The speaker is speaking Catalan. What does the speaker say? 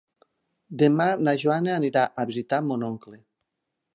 Demà na Joana anirà a visitar mon oncle.